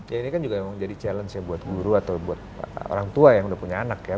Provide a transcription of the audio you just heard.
ya ini kan juga memang jadi challenge ya buat guru atau buat orang tua yang udah punya anak ya